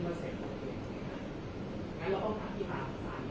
แต่ว่าไม่มีปรากฏว่าถ้าเกิดคนให้ยาที่๓๑